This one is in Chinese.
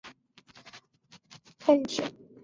厕所位于月台国分寺方向。